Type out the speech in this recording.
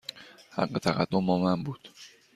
حق تقدم با من بود.